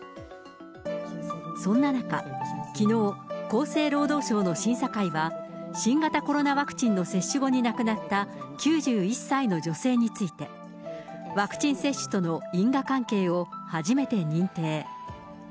そんな中、きのう、厚生労働省の審査会は、新型コロナワクチンの接種後に亡くなった９１歳の女性について、ワクチン接種との因果関係を初めて認定。